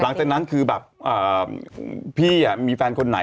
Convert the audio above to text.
หลังจากนั้นคือแบบพี่มีแฟนคนไหน